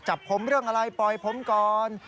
จับผมเรื่องอะไรปล่อยผมก่อน